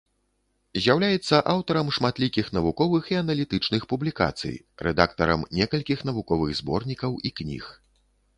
З'яўляецца аўтарам шматлікіх навуковых і аналітычных публікацый, рэдактарам некалькіх навуковых зборнікаў і кніг.